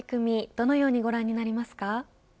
どのようにご覧になりますか。